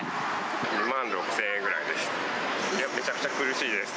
２万６０００円ぐらいです。